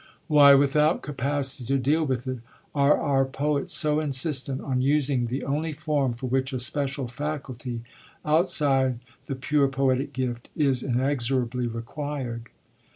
Why, without capacity to deal with it, are our poets so insistent on using the only form for which a special faculty, outside the pure poetic gift, is inexorably required?